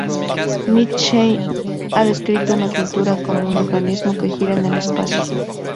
Mitchell ha descrito una pintura como "un organismo que gira en el espacio".